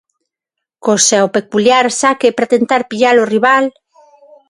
Co seu peculiar saque para tentar pillar o rival...